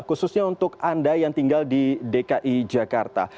khususnya untuk anda yang tinggal di dki jakarta